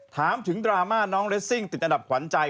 ถามถึงดราม่าน้องเรสซิ่งติดอันดับขวัญใจ